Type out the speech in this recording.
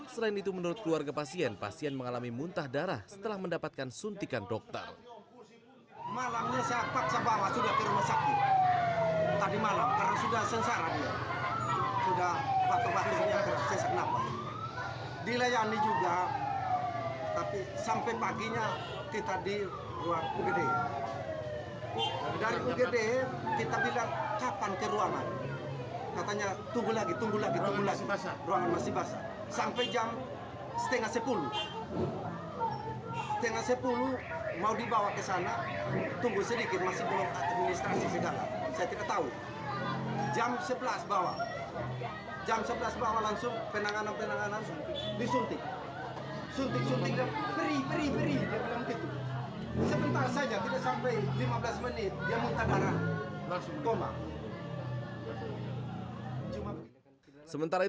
selain itu menurut keluarga pasien pasien mengalami muntah darah setelah mendapatkan suntikan dokter